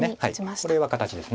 これは形です。